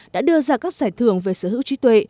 đã đưa ra các giải thưởng về sở hữu trí tuệ